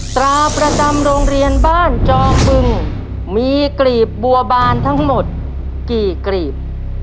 ตราประจำโรงเรียนบ้านจอบึงมีกรีบบัวบานทั้งหมดกี่กรีบ